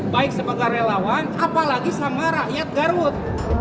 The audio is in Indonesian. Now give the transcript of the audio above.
baik sebagai relawan apalagi sama rakyat garut